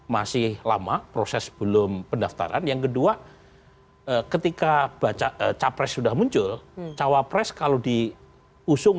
masih lama proses belum pendaftaran yang kedua ketika capres sudah muncul cawapres kalau diusung